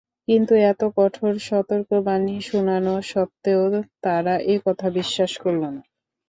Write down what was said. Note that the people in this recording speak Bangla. কিন্তু এত কঠোর সতর্কবাণী শুনানো সত্ত্বেও তারা এ কথা বিশ্বাস করল না।